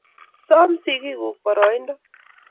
Soom sikikuk boroindo